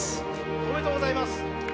おめでとうございます。